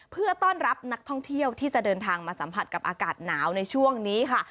เพื่อต้อนรับนักท่องเที่ยวที่จะเดินทางมาสัมผัสกับอากาศหนาวในช่วงนี้ค่ะ